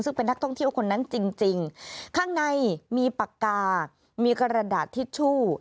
ซึ่งเป็นนักท่องเที่ยวคนนั้นจริงจริงข้างในมีปากกามีกระดาษทิชชู่